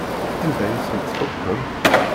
Anda ay ten-tḥukkem?